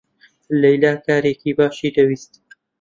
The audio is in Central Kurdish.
لەیلا کارێکی باشی دەویست.